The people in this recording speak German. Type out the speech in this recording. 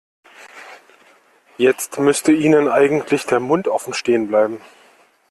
Jetzt müsste Ihnen eigentlich der Mund offen stehen bleiben.